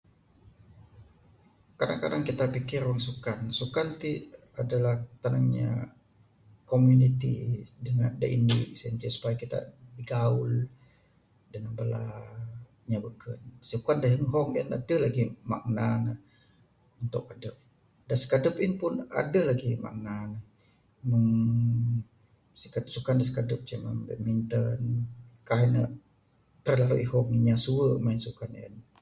Kadang kadang kita pikir wang sukan sukan ti adalah tanang inya komuniti dangan da indi sien ceh supaya kita gaul dangan bala inya beken. Sukan da ihong adeh lagih makna ne untuk adep, da skadep ne en pun adeh lagih ne makna ne meng sukan dep skadep ce meng badminton kaik ne terlalu ihong inya suwe sukan en.